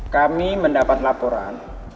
kami mendapat laporan